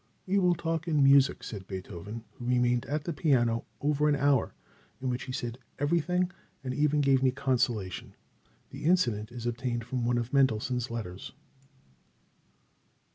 "'We will talk in music,' said Beethoven, who remained at the piano over an hour in which he said everything and even gave me consolation." The incident is obtained from one of Mendelssohn's letters.